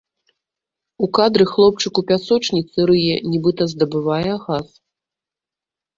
У кадры хлопчык у пясочніцы, рые, нібыта здабывае газ.